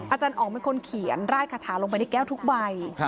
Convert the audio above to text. อาจารย์อ๋องเป็นคนเขียนราดคาถาลงไปในแก้วทุกใบ